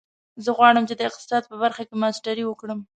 زه غواړم چې د اقتصاد په برخه کې ماسټري وکړم